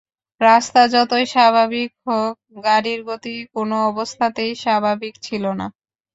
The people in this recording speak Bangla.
রাস্তা যতই স্বাভাবিক হোক গাড়ির গতি কোনো অবস্থাতেই স্বাভাবিক ছিল না।